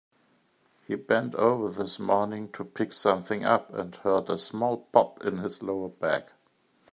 He bent over this morning to pick something up and heard a small pop in his lower back.